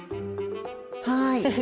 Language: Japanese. はい。